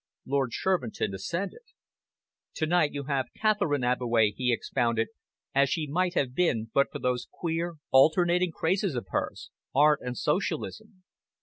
Lord Shervinton assented. "To night you have Catherine Abbeway," he expounded, "as she might have been but for these queer, alternating crazes of hers art and socialism.